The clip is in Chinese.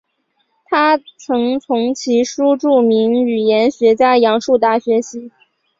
他曾从其叔著名语言学家杨树达学习。